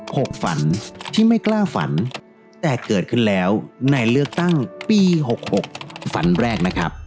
หกฝันที่ไม่กล้าฝันแต่เกิดขึ้นแล้วในเลือกตั้งปีหกหกฝันแรกนะครับ